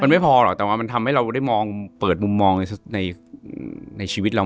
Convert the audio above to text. ไม่พอหรอกแต่ว่ามันทำให้เราได้มองเปิดมุมมองในชีวิตเรา